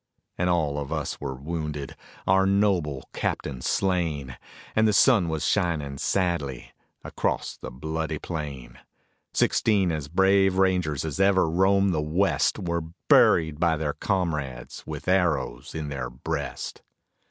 And all of us were wounded, our noble captain slain, And the sun was shining sadly across the bloody plain. Sixteen as brave rangers as ever roamed the West Were buried by their comrades with arrows in their breast.